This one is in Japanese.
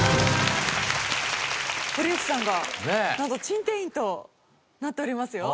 堀内さんがなんと珍定員となっておりますよ。